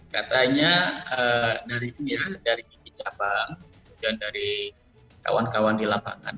katanya dari cabang dan dari kawan kawan di lapangan